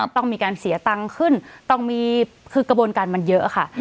ต้องมีการเสียตังค์ขึ้นต้องมีคือกระบวนการมันเยอะค่ะ